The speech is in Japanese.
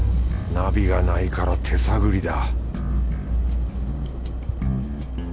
ナビがないから手探りだ